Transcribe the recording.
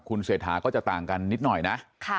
คุณเสถาเขาจะต่างกันนิดน่อยนะ